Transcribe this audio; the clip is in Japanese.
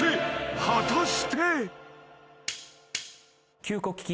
［果たして］